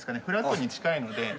フラットに近いので。